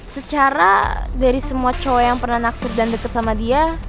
secara dari semua cowok yang pernah naksir dan deket sama dia